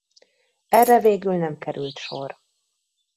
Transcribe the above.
Erre végül nem került sor.